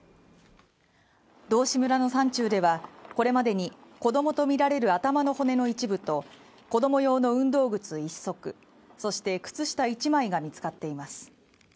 道志村の山中ではこれまでに子どもと見られる頭の骨の一部と子供用の運動靴１足そして靴下１枚が見つかっています